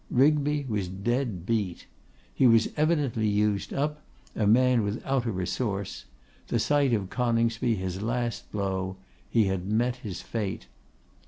Rigby was dead beat. He was evidently used up; a man without a resource; the sight of Coningsby his last blow; he had met his fate.